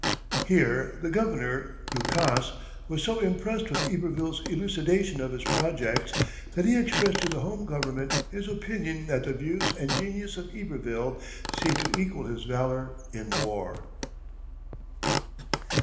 Here the governor, Ducasse, was so impressed with Iberville's elucidation of his projects that he expressed to the home government his opinion that the views and genius of Iberville seemed to equal his valor in war.